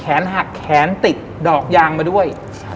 หักแขนติดดอกยางมาด้วย